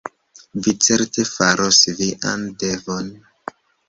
Vi certe faros vian devon.